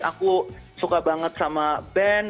aku suka banget sama band